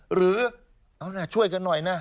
หรือช่วยกันหน่อยนะ